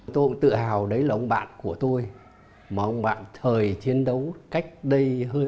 tôi cũng tự hào đấy là ông bạn của tôi mà ông bạn thời chiến đấu cách đây hơn bảy mươi năm